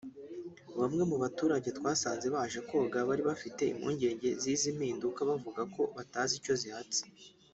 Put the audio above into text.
Bamwe mu baturage twasanze baje koga bari bafite impungenge z’izi mpinduka bavuga ko batazi icyo zihatse